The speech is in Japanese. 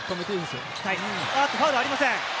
おっとファウルはありません。